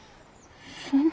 そんな。